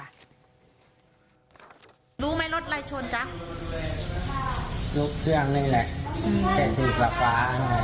รู้ไหมรถอะไรชนจ๊ะรถเครื่องนี่แหละเป็นที่กลับปลา